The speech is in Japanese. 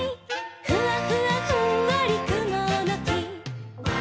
「ふわふわふんわりくものき」